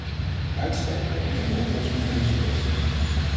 Uitstel brengt geen oplossing voor deze kwesties.